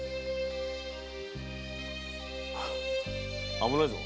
危ないぞ。